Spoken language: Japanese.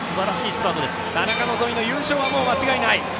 田中希実の優勝は間違いない。